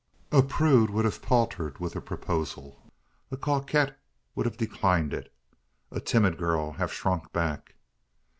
A prude would have paltered with the proposal a coquette would have declined it a timid girl have shrunk back.